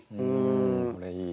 これいい。